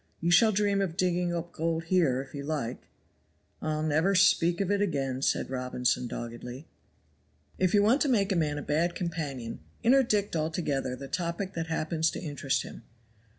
You shall dream of digging up gold here if you like." "I'll never speak of it again," said Robinson doggedly. If you want to make a man a bad companion, interdict altogether the topic that happens to interest him.